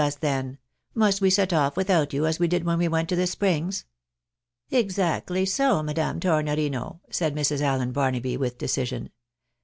315 US, then ? Must wq set off without you, as we did when we W9nt to the Springs ?"" Exactly so, Madame Tornorino," said Mrs. Allen Barnaby, ■with decision.